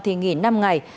thì nghỉ năm ngày